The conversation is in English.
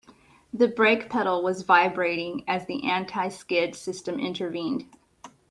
The brake pedal was vibrating as the anti-skid system intervened.